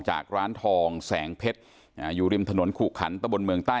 จากร้านทองแสงเพชรอยู่ริมถนนขุขันตะบนเมืองใต้